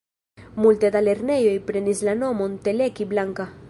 Multe da lernejoj prenis la nomon Teleki Blanka.